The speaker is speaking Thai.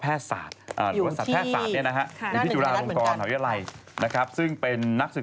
เปิดประตูรถแล้ววิ่งไม่ต้องอาย